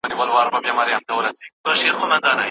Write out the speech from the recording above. بیا هم ته نه وې لالا